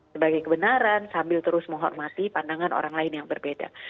sebagai kebenaran sambil terus menghormati pandangan orang lain yang berbeda